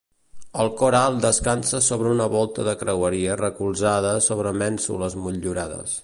El cor alt descansa sobre una volta de creueria recolzada sobre mènsules motllurades.